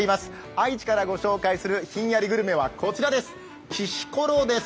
愛知からご紹介するひんやりグルメはこちらです、きしころです。